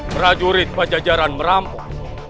prajurit pajajaran merampok